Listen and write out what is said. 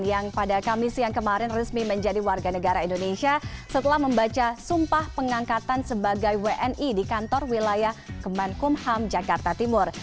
yang pada kamis siang kemarin resmi menjadi warga negara indonesia setelah membaca sumpah pengangkatan sebagai wni di kantor wilayah kemenkumham jakarta timur